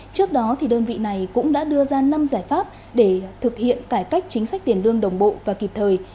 trước đó đơn vị này cũng đã đưa ra năm giải pháp để thực hiện cải cách chính sách tiền lương đồng bộ và kịp thời